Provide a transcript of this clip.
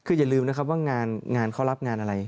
คืออย่าลืมนะครับว่างานเขารับงานอะไร